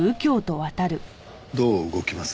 どう動きます？